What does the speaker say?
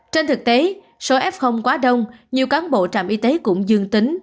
trên thực tế số f quá đông nhiều cán bộ trạm y tế cũng dương tính